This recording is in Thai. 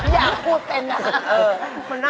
อยากพูดเป็นนะคะ